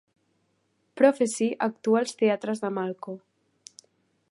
Prophecy actua als teatres de Malco